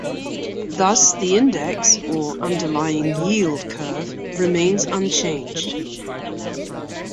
Thus the index, or underlying yield curve, remains unchanged.